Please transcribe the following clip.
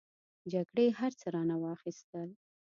جګړې هر څه رانه واخستل.